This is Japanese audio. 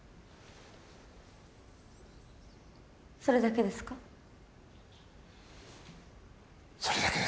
それだけですか？